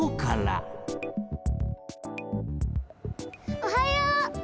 おはよう！